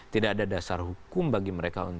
tidak ada dasar hukum bagi mereka